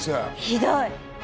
ひどい！